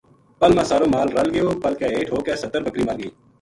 پَل ما سارو مال رَل گیو پل کے ہیٹھ ہو کے سَتر بکری مر گئی